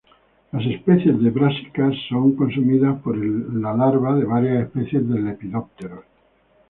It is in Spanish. Las especies de "Brassica" son consumidas por la larva de varias especies de lepidópteros.